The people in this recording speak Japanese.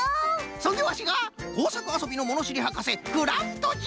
そんでワシがこうさくあそびのものしりはかせクラフトじゃ！